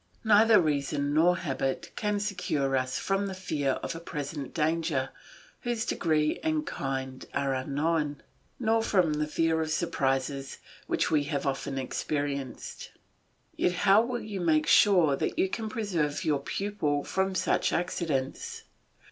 Neither reason nor habit can secure us from the fear of a present danger whose degree and kind are unknown, nor from the fear of surprises which we have often experienced. Yet how will you make sure that you can preserve your pupil from such accidents?